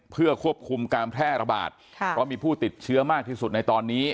เพื่อควบคุมการแพร่ระบาดค่ะเพราะมีผู้ติดเชื้อมากที่สุดในตอนนี้